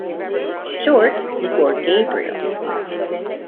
Short for Gabriel.